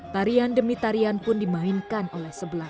tarian demi tarian pun dimainkan oleh sebelah